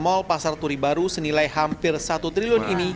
mal pasar turi baru senilai hampir satu triliun ini